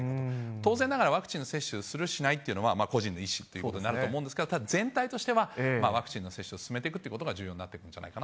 当然ながら、ワクチン接種するしないというのは、個人の意思ということになると思うんですけど、ただ全体としては、ワクチンの接種を進めていくっていうことが重要になってくるんじ